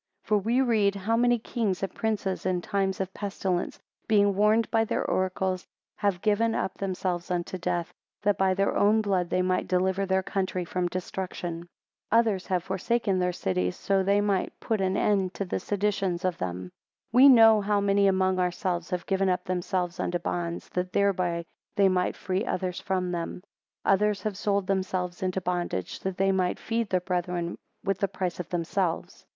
18 For we read, How many kings and princes, in times of pestilence, being warned by their oracles, have given up themselves unto death; that by their own blood, they might deliver their country from destruction. 19 Others have forsaken their cities, so that they might put an end to the seditions of them. 20 We know how many among ourselves, have given up themselves unto bonds, that thereby they might free others from them. 21 Others have sold themselves into bondage, that they might feed their brethren with the price of themselves.